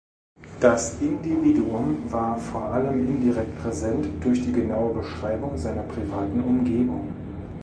Das Individuum war vor allem indirekt präsent, durch die genaue Beschreibung seiner privaten Umgebung.